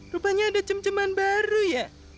rupanya ada cemceman baru ya